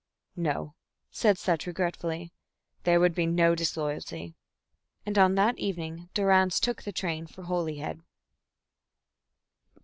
"No," said Sutch, regretfully. "There would be no disloyalty." And on that evening Durrance took the train for Holyhead.